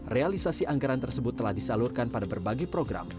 realisasi anggaran tersebut telah disalurkan pada berbagai program